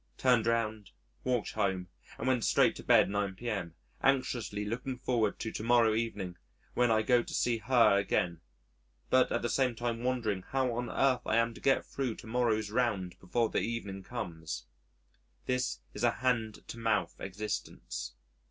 Turned round, walked home, and went straight to bed 9 p.m., anxiously looking forward to to morrow evening when I go to see her again, but at the same time wondering how on earth I am to get through to morrow's round before the evening comes.... This is a hand to mouth existence.